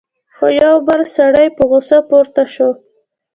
خو یو بل سړی په غصه پورته شو: